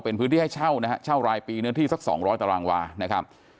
เป็นพื้นที่ให้เช่านะฮะเช่ารายปีเนื้อที่สัก๒๐๐ตารางวานะครับ